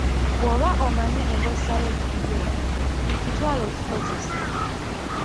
"Bwoba omanyi enkozesa y'ekintu ekyo, kitwale okikozese."